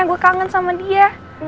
gue kangen sama dia